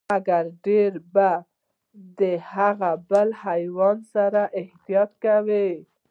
مګر ډیر به د هغه بل حیوان سره احتياط کوئ،